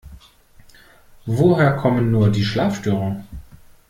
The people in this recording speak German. Woher kommen nur die Schlafstörungen?